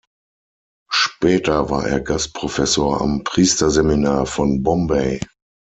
Später war er Gast-Professor am Priesterseminar von Bombay.